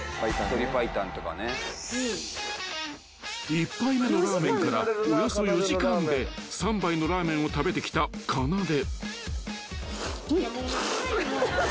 ［１杯目のラーメンからおよそ４時間で３杯のラーメンを食べてきたかなで］